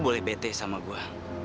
boleh bete sama gue